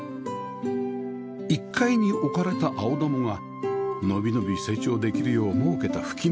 １階に置かれたアオダモが伸び伸び成長できるよう設けた吹き抜け